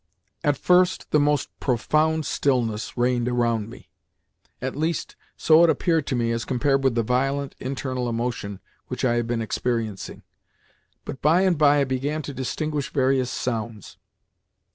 At first the most profound stillness reigned around me—at least, so it appeared to me as compared with the violent internal emotion which I had been experiencing; but by and by I began to distinguish various sounds.